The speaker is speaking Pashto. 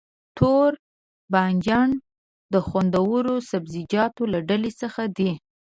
توربانجان د خوندورو سبزيجاتو له ډلې څخه دی.